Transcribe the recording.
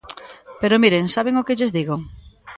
Pero, miren, ¿saben o que lles digo?